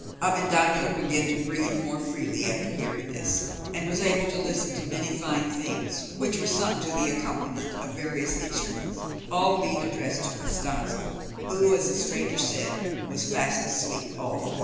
Avendaño began to breathe more freely after hearing this, and was able to listen to many fine things which were sung to the accompaniment of various instruments, all being addressed to Costanza, who, as the stranger said, was fast asleep all the while.